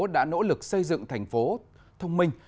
đã nỗ lực xây dựng thành phố thông minh